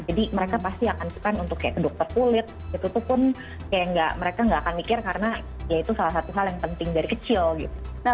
jadi mereka pasti akan suka untuk ke dokter kulit itu tuh pun mereka nggak akan mikir karena ya itu salah satu hal yang penting dari kecil gitu